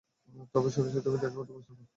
তবে শুনেছি তুমি দেখা করতে প্রস্তুত নও।